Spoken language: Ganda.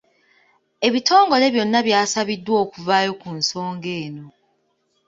Ebitongole byonna byasabiddwa okuvaayo ku nsonga eno.